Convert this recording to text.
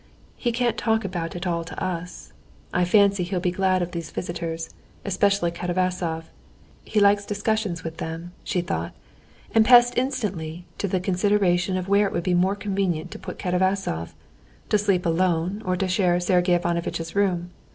He can't talk about it all to us. I fancy he'll be glad of these visitors, especially Katavasov. He likes discussions with them," she thought, and passed instantly to the consideration of where it would be more convenient to put Katavasov, to sleep alone or to share Sergey Ivanovitch's room.